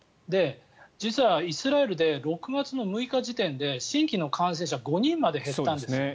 実はイスラエルで６月６日時点で新規の感染者が５人まで減ったんですね。